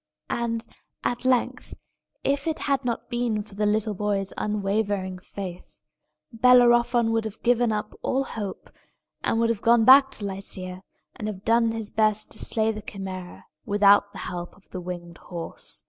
And, at length, if it had not been for the little boy's unwavering faith, Bellerophon would have given up all hope, and would have gone back to Lycia, and have done his best to slay the Chimæra without the help of the winged horse.